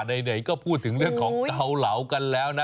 ไหนก็พูดถึงเรื่องของเกาเหลากันแล้วนะ